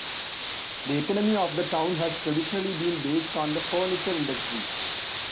The economy of the town has traditionally been based on the furniture industry.